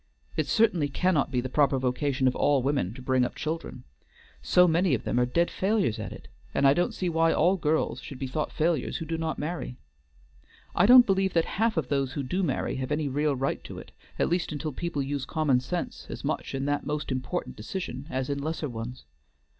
It certainly cannot be the proper vocation of all women to bring up children, so many of them are dead failures at it; and I don't see why all girls should be thought failures who do not marry. I don't believe that half those who do marry have any real right to it, at least until people use common sense as much in that most important decision as in lesser ones.